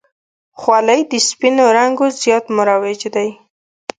خولۍ د سپینو رنګو زیات مروج دی.